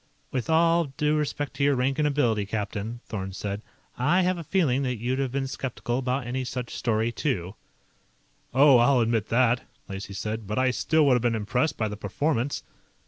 "With all due respect to your rank and ability, captain," Thorn said, "I have a feeling that you'd have been skeptical about any such story, too." "Oh, I'll admit that," Lacey said. "But I still would have been impressed by the performance."